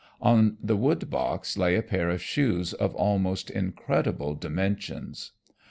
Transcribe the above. On the wood box lay a pair of shoes of almost incredible dimensions.